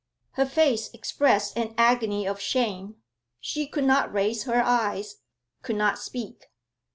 Her face expressed an agony of shame; she could not raise her eyes, could not speak.